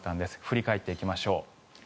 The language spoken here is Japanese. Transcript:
振り返っていきましょう。